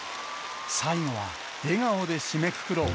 最後は、笑顔で締めくくろう。